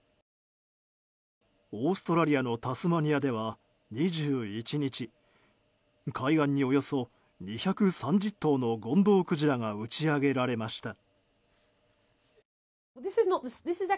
オーストラリアのタスマニアでは２１日海岸におよそ２３０頭のゴンドウクジラが打ち上げられました。